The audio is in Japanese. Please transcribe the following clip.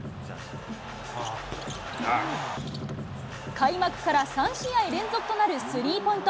開幕から３試合連続となるスリーポイント。